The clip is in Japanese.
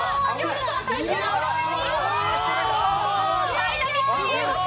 ダイナミックに動く！